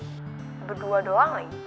kayaknya udah berdua doang nih